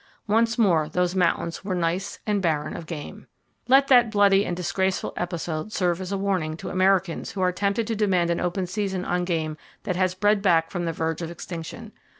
Once more those mountains were nice and barren of game. Let that bloody and disgraceful episode serve as a warning to Americans who are tempted to demand an open season on game that has bred back from the verge of extinction.